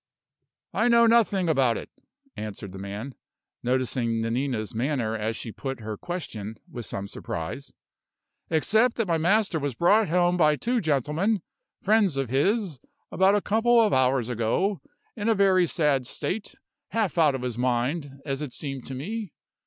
"I know nothing about it," answered the man, noticing Nanina's manner as she put her question, with some surprise, "except that my master was brought home by two gentlemen, friends of his, about a couple of hours ago, in a very sad state; half out of his mind, as it seemed to me.